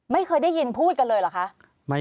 ไม่เคยได้ยินพูดกันเลยเหรอคะ